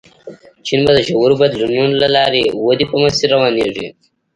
چین به د ژورو بدلونونو له لارې ودې په مسیر روانېږي.